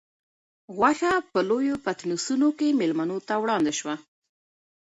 غوښه په لویو پتنوسونو کې مېلمنو ته وړاندې شوه.